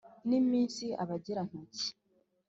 n'iminsi abagera ntoki